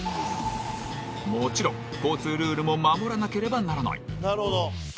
もちろん交通ルールも守らなければならない。